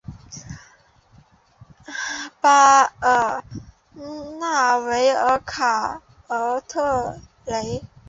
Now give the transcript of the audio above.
巴尔纳维尔卡尔特雷。